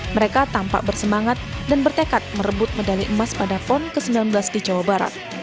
mereka tampak bersemangat dan bertekad merebut medali emas pada pon ke sembilan belas di jawa barat